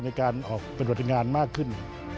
ในการออกเป็นจวดงานมากขึ้น